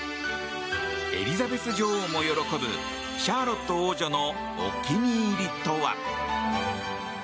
エリザベス女王も喜ぶシャーロット王女のお気に入りとは？